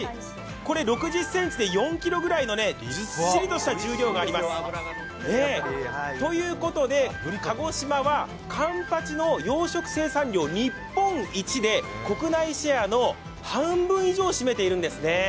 これ６０ｃｍで４ｋｇぐらいのずっしりとした重量があります。ということで鹿児島はかんぱちの養殖生産量日本一で、国内シェアの半分以上を占めているんですね。